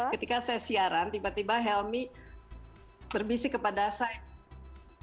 ketika saya siaran tiba tiba helmy berbisik kepada saya